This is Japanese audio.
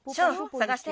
さがして！